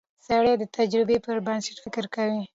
سړی د تجربې پر بنسټ فکر کوي